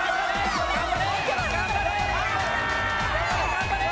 ・頑張れ！